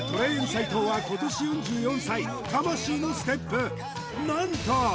斎藤は今年４４歳魂のステップなんと